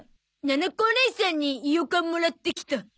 ななこおねいさんにいよかんもらってきた。